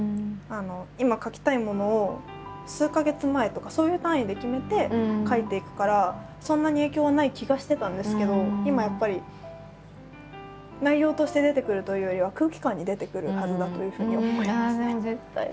今書きたいものを数か月前とかそういう単位で決めて書いていくからそんなに影響はない気がしてたんですけど今やっぱり内容として出てくるというよりはああでも絶対出ると思う。